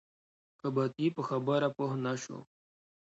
قبطي پر خبره پوی نه شو.